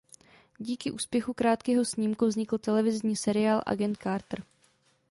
Díky úspěchu krátkého snímku vznikl televizní seriál "Agent Carter".